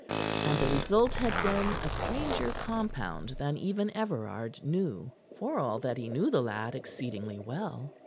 And the result had been a stranger compound than even Everard knew, for all that he knew the lad exceedingly well.